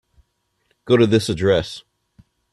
Go to this address.